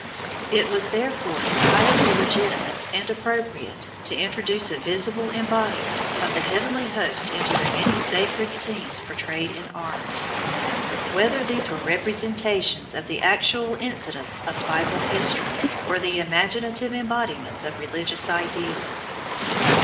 It was therefore entirely legitimate and appropriate to introduce a visible embodiment of the heavenly hosts into the many sacred scenes portrayed in art, whether these were representations of the actual incidents of Bible history, or the imaginative embodiments of religious ideals.